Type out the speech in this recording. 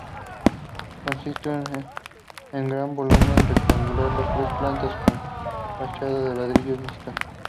Consiste en un gran volumen rectangular de tres plantas, con fachada ladrillo visto.